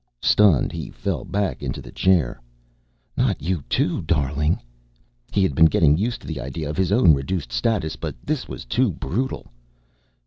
Stunned, he fell back into a chair. "Not you, too, darling!" He had been getting used to the idea of his own reduced status but this was too brutal.